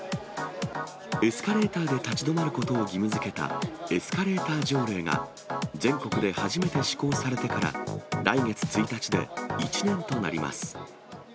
エスカレーターで立ち止まることを義務づけたエスカレーター条例が、全国で初めて施行されてから来月１日で１年となります。